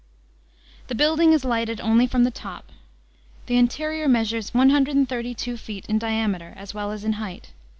* The building is lighted only from the top. "The interior measures 132 feet in diameter, as well as in height.